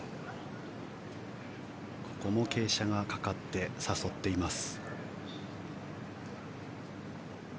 ここも傾斜がかかって誘っています。